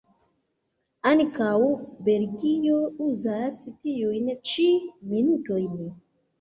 Ankaŭ Belgio uzas tiujn ĉi minutojn.